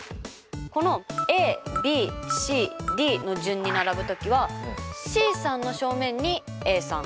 このＡＢＣＤの順に並ぶ時はＣさんの正面にＡさん